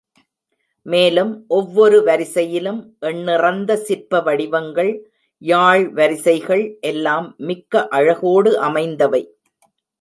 மேலும் ஒவ்வொரு வரிசையிலும் எண்ணிறந்த சிற்பவடிவங்கள், யாழ் வரிசைகள் எல்லாம் மிக்க அழகோடு அமைந்தவை.